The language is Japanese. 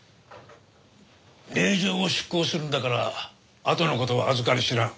令状を執行するんだからあとの事はあずかり知らん。